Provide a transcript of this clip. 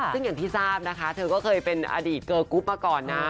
ซึ่งอย่างที่ทราบนะคะเธอก็เคยเป็นอดีตเกอร์กรุ๊ปมาก่อนนะ